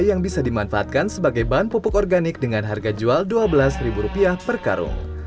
yang bisa dimanfaatkan sebagai bahan pupuk organik dengan harga jual rp dua belas per karung